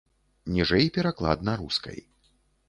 Ніжэй пераклад на рускай.